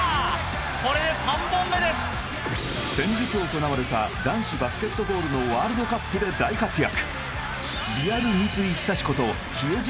これで３本目です先日行われた男子バスケットボールのワールドカップで大活躍